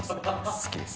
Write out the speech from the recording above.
好きです。